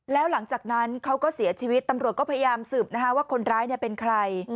แล้วหลังจากนั้นเขาก็เสียชีวิตตำรวจก็พยายามสืบว่าคนร้ายเป็นใคร